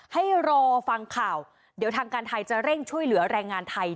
ให้รอฟังข่าวเดี๋ยวทางการไทยจะเร่งช่วยเหลือแรงงานไทย